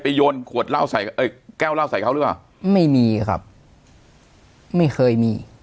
โยนขวดเหล้าใส่เอ้ยแก้วเหล้าใส่เขาหรือเปล่าไม่มีครับไม่เคยมี